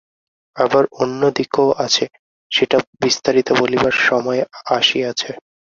আবার অন্য দিকও আছে, সেটা বিস্তারিত বলিবার সময় আসিয়াছে।